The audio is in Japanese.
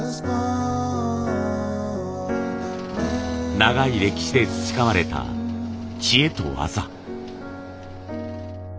長い歴史で培われた知恵と技。